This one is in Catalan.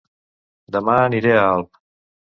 Dema aniré a Alp